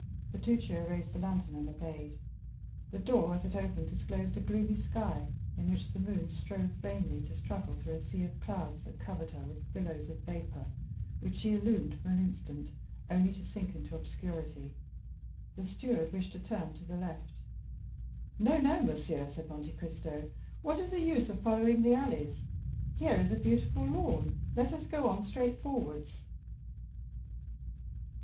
Bertuccio raised the lantern, and obeyed. The door, as it opened, disclosed a gloomy sky, in which the moon strove vainly to struggle through a sea of clouds that covered her with billows of vapor which she illumined for an instant, only to sink into obscurity. The steward wished to turn to the left. "No, no, monsieur," said Monte Cristo. "What is the use of following the alleys? Here is a beautiful lawn; let us go on straight forwards."